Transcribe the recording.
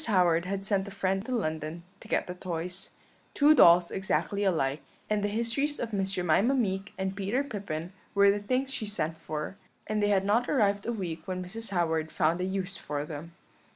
Howard had sent to a friend in London to get the toys two dolls exactly alike, and the histories of Miss Jemima Meek and Peter Pippin were the things she sent for; and they had not arrived a week when Mrs. Howard found a use for them.